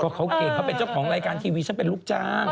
เขาเก่งเขาเป็นเจ้าของรายการทีวีฉันเป็นลูกจ้าง